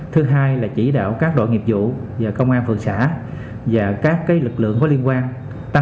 thứ hai là chỉ đạo các đội nghiệp vụ và công an phường xã và các cái lực lượng có liên quan tăng cường công tác